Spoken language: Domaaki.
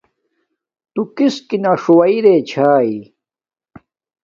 تݸ کِسکِنݳ ݽݸوݵئ رݵچھݳئی؟